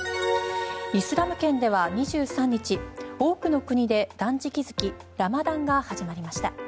イスラム圏では２３日多くの国で断食月ラマダンが始まりました。